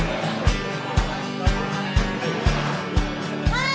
はい。